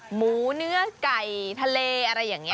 หมูเนื้อไก่ทะเลอะไรอย่างนี้